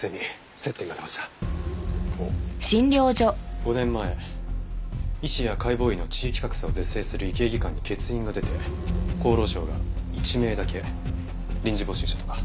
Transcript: ５年前医師や解剖医の地域格差を是正する医系技官に欠員が出て厚労省が１名だけ臨時募集したとか。